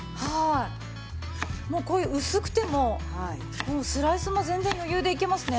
もうこういう薄くてもスライスも全然余裕でいけますね。